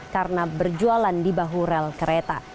karena berjualan di bahu rel kereta